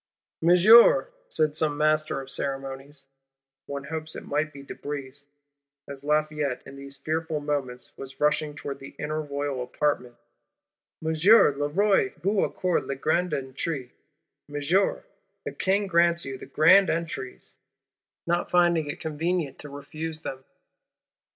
'Monsieur,' said some Master of Ceremonies (one hopes it might be de Brézé), as Lafayette, in these fearful moments, was rushing towards the inner Royal Apartments, 'Monsieur, le Roi vous accorde les grandes entrées, Monsieur, the King grants you the Grand Entries,'—not finding it convenient to refuse them!